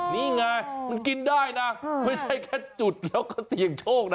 นี่ไงมันกินได้นะไม่ใช่แค่จุดแล้วก็เสี่ยงโชคนะ